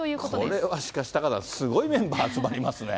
これはしかし、タカさん、すごいメンバー集まりますね。